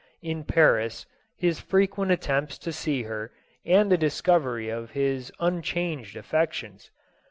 . in Paris, his frequent attempts to see her, and the discov ery of his unchanged affections.